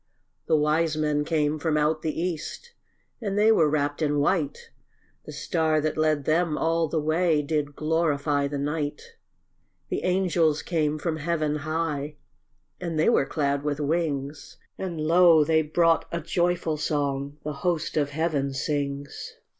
The wise men came from out the east, And they were wrapped in white; The star that led them all the way Did glorify the night. The angels came from heaven high, And they were clad with wings; And lo, they brought a joyful song The host of heaven sings.